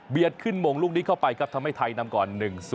ขึ้นมงลูกนี้เข้าไปครับทำให้ไทยนำก่อน๑๐